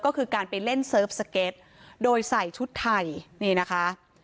ก็คือการไปเล่นเซิร์ฟสเก็ตโดยใส่ชุดไทยนี่นะคะ